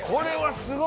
すごい。